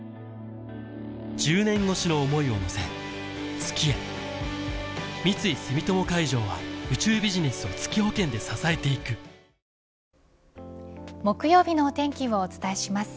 年越しの想いを乗せ月へ三井住友海上は宇宙ビジネスを月保険で支えていく木曜日のお天気をお伝えします。